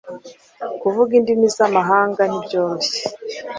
Kuvuga indimi z'amahanga ntibyoroshye